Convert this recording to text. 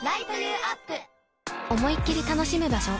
思いきり楽しむ場所